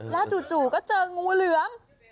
แล้วจู่ก็เจองูเหลือง